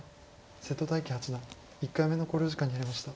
瀬戸大樹八段１回目の考慮時間に入りました。